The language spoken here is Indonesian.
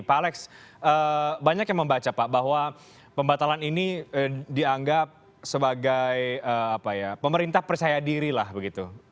pak alex banyak yang membaca pak bahwa pembatalan ini dianggap sebagai pemerintah percaya diri lah begitu